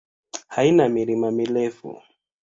Haina milima mirefu.